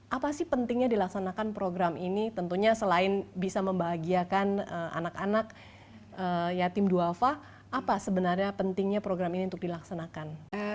apa sih pentingnya dilaksanakan program ini tentunya selain bisa membahagiakan anak anak yatim duafa apa sebenarnya pentingnya program ini untuk dilaksanakan